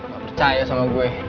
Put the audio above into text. gak percaya sama gue